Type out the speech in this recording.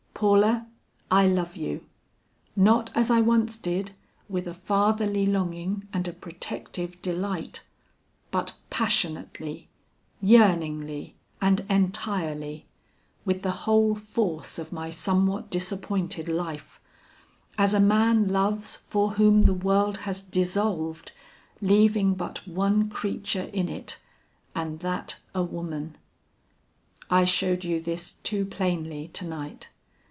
Paula, I love you; not as I once did, with a fatherly longing and a protective delight, but passionately, yearningly, and entirely, with the whole force of my somewhat disappointed life; as a man loves for whom the world has dissolved leaving but one creature in it, and that a woman. I showed you this too plainly to night.